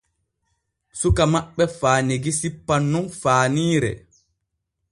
Suka maɓɓe faanigi sippan nun faaniire.